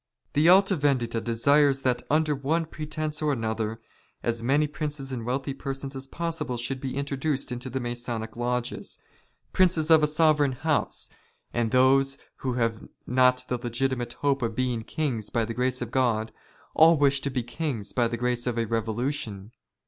" The Alta Vendita desires, that under one pretence or " another, as many princes and wealthy persons as possible " should be introduced into the Masonic lodges. Princes of a " sovereign house, and those who have not the legitimate hope 76 WAR OF ANTICHRIST WITH THE CHURCH. " of being kings by the grace of God, all wish to be kings by the " grace of a Kevolution.